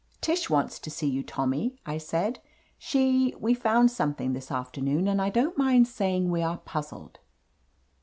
"Tish wants to see you. Tommy," I said. "She — ^we found something this afternoon and I don't mind saying we are puzzled."